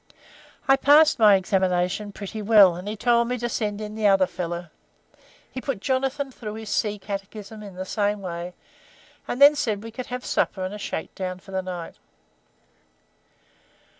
I passed my examination pretty well, and he told me to send in the other fellow. He put Jonathan through his sea catechism in the same way, and then said we could have supper and a shake down for the night.